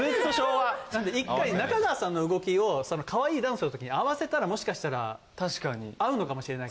１回中川さんの動きをかわいいダンスのときに合わせたらもしかしたら合うのかもしれない。